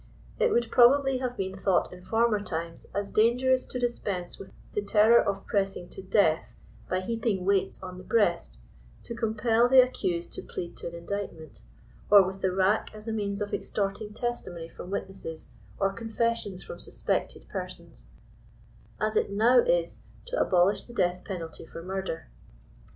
It would probably have been thought in former times as dangerous to dispense with the terror of pressing to death by heaping weights on tlie breast to compel the accused to plead to an indictment, or with the rack as a means o^ extorting testimony from witnesses or confessions from suspected persons, as it now is to abolish the death penalty for murder.